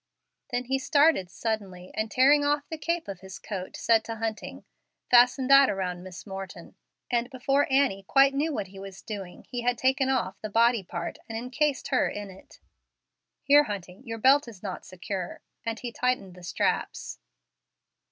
Then he started suddenly, and tearing off the cape of his coat, said to Hunting, "Fasten that around Miss Morton;" and before Annie quite knew what he was doing he had taken off the body part and incased her in it. "Here, Hunting, your belt is not secure"; and he tightened the straps.